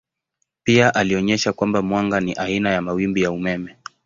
Pia alionyesha kwamba mwanga ni aina ya mawimbi ya umeme.